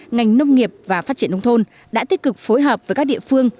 ngành nông nghiệp và phát triển nông thôn đã tích cực phối hợp với các địa phương